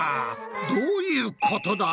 どういうことだ？